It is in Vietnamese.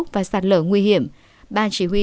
và sạt lở nguy hiểm ban chỉ huy